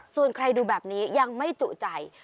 ส่วนใครดูแบบนี้ยังไม่จุใจ